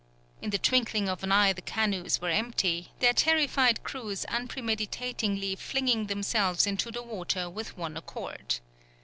In the twinkling of an eye the canoes were empty, their terrified crews unpremeditatingly flinging themselves into the water with one accord.